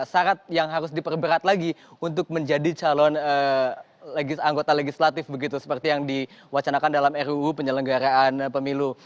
syarat yang harus diperberat lagi untuk menjadi calon anggota legislatif begitu seperti yang diwacanakan dalam ruu penyelenggaraan pemilu